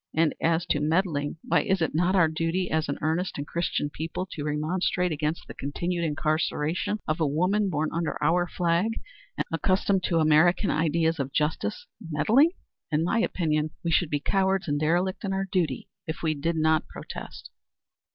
And as to meddling, why is it not our duty as an earnest and Christian people to remonstrate against the continued incarceration of a woman born under our flag and accustomed to American ideas of justice? Meddling? In my opinion, we should be cowards and derelict in our duty if we did not protest."